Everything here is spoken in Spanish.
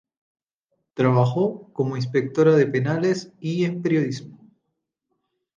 Trabajó como inspectora de penales y en periodismo.